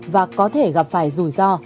và có thể gặp phải rủi ro